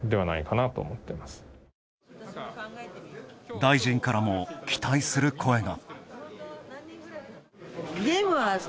大臣からも期待する声が。